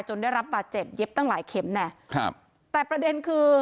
ได้รับบาดเจ็บเย็บตั้งหลายเข็มแน่ครับแต่ประเด็นคือ